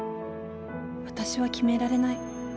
私は決められない。